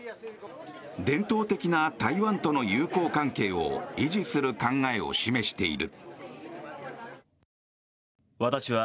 伝統的な台湾との友好関係を維持する考えを示している。